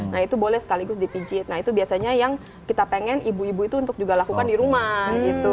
nah itu boleh sekaligus dipijit nah itu biasanya yang kita pengen ibu ibu itu untuk juga lakukan di rumah gitu